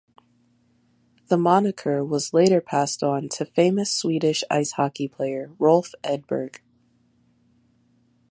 The moniker was later passed on to famous Swedish ice hockey player Rolf Edberg.